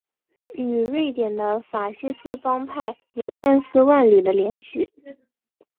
与瑞典的法西斯帮派有千丝万缕的联系。